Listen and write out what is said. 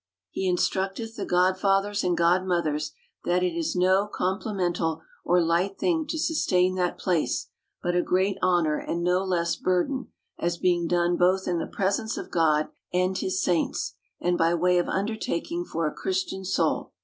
He instructeth the godfathers and godmothers, that it is no complimental or light thing to sustain that place, but a great honor, and no less burden ; as being done both in the presence of God and his saints, and by way of undertaking for a Christian soul.